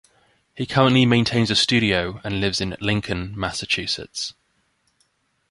He currently maintains a studio and lives in Lincoln, Massachusetts.